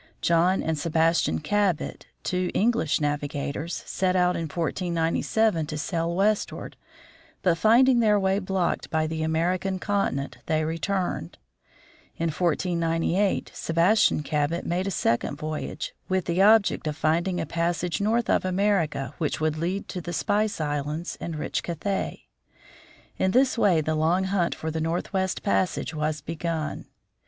John and Sebastian Cabot, two English navigators, set out in 14.97 to sail westward, but finding their way blocked by the Amer ican continent, they returned. In 1498 Sebastian Cabot made a second voyage, with the object of finding a passage north of America which would lead to the Spice Islands and rich Cathay. In this way the long hunt for the northwest passage was begun.